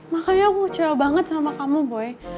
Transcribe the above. makanya aku coba banget sama kamu boy